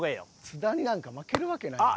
津田になんか負けるわけないわ。